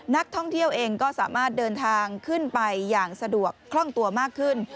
นักท่องเที่ยวเองก็สามารถเดินทางขึ้นไปอย่างสะดวกคล่องตัวมากขึ้น